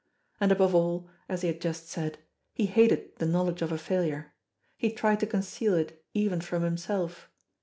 And above all, as he had just said, he hated the knowledge of a failure; he tried to conceal it even from himself.